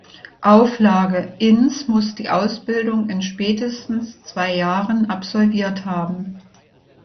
Auflage: Ince muss die Ausbildung in spätestens zwei Jahren absolviert haben.